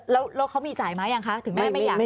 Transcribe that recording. แล้วเขามีจ่ายไหมยังคะถึงแม่ไม่อยาก